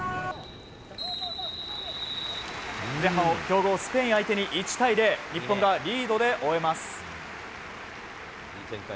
前半を強豪スペイン相手に１対０日本がリードで終えます。